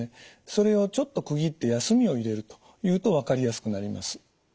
それをちょっと区切って休みを入れるというと分かりやすくなります。